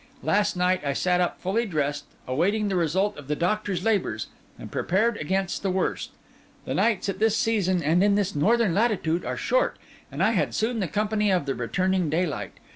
Last night I sat up fully dressed, awaiting the result of the doctor's labours, and prepared against the worst. The nights at this season and in this northern latitude are short; and I had soon the company of the returning daylight.